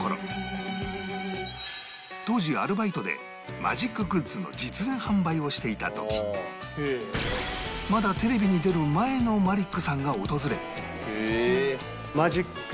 当時アルバイトでマジックグッズの実演販売をしていた時まだテレビに出る前のマリックさんが訪れ